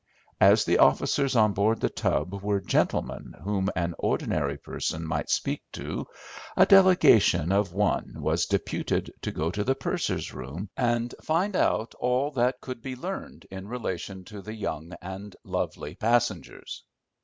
As the officers on board The Tub were gentlemen whom an ordinary person might speak to, a delegation of one was deputed to go to the purser's room and find out all that could be learned in relation to the young and lovely passengers.